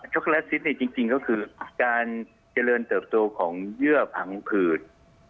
ช็อกโกแลตซีดก็คือการเจริญเจิบตัวของเยื่อผังผืด